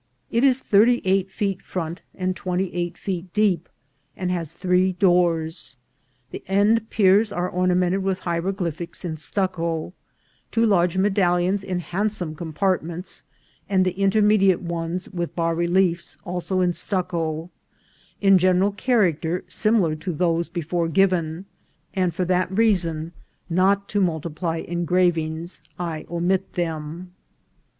It is thirty eight feet front and twenty eight feet deep, and has three doors. The end piers are ornamented with hieroglyphics in stucco, two large medallions in hand some compartments, and the intermediate ones with bas reb'efs, also in stucco ; in general character similar to those before given, and for that reason, not to multi ply engravings, I omit them.